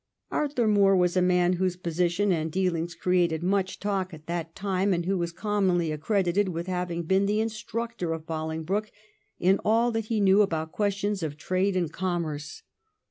Arthur Moor was a man whose position and deaUngs created much talk at that time, and who was commonly accredited with having been the instructor of Bolingbroke in all that he knew about questions of trade and commerce.